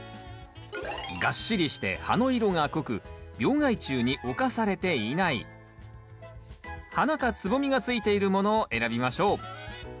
がっしりして葉の色が濃く病害虫に侵されていない花か蕾がついているものを選びましょう。